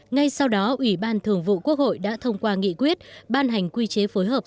ngay sau đó ủy ban thường vụ quốc hội đã thông qua nghị quyết ban hành quy chế phối hợp